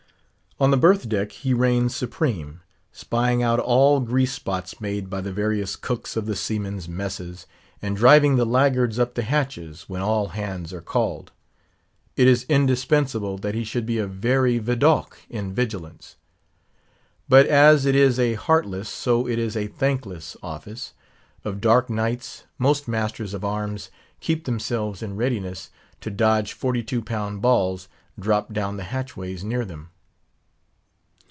On the berth deck he reigns supreme; spying out all grease spots made by the various cooks of the seamen's messes, and driving the laggards up the hatches, when all hands are called. It is indispensable that he should be a very Vidocq in vigilance. But as it is a heartless, so is it a thankless office. Of dark nights, most masters of arms keep themselves in readiness to dodge forty two pound balls, dropped down the hatchways near them.